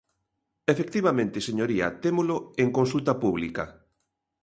Efectivamente, señoría, témolo en consulta pública.